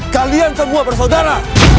kalian semua bersaudara